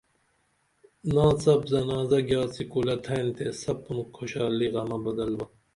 ناڅپ زنازہ گیاڅی کُلہ تھین تے سپُن کھوشالی غمہ بدل با